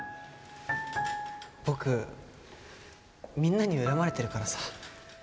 僕みんなに恨まれてるからさ。